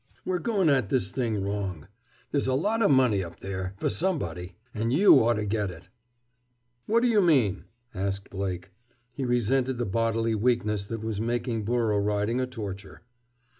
We're going at this thing wrong. There's a lot o' money up there, for somebody. And you ought to get it!" "What do you mean?" asked Blake. He resented the bodily weakness that was making burro riding a torture.